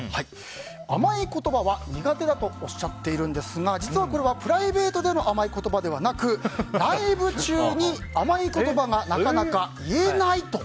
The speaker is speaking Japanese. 甘い言葉は苦手だとおっしゃっているんですが実はこれはプライベートでの甘い言葉ではなくライブ中に甘い言葉がなかなか言えないと。